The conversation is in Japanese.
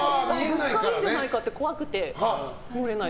ぶつかるんじゃないかって怖くて乗れない。